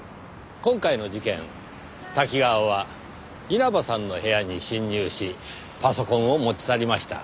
今回の事件瀧川は稲葉さんの部屋に侵入しパソコンを持ち去りました。